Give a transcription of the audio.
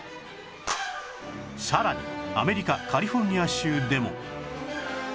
さらにアメリカカリフォルニア州でも